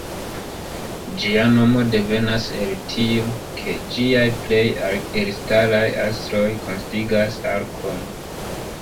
Ĝia nomo devenas el tio, ke ĝiaj plej elstaraj astroj konsistigas arkon.